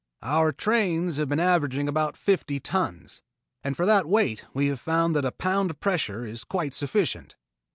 "Our trains have been averaging about fifty tons, and for that weight we have found that a pound pressure is quite sufficient.